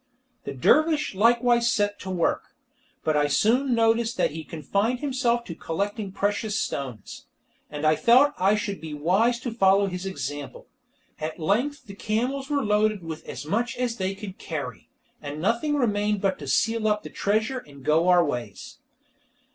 The dervish likewise set to work, but I soon noticed that he confined himself to collecting precious stones, and I felt I should be wise to follow his example. At length the camels were loaded with as much as they could carry, and nothing remained but to seal up the treasure, and go our ways.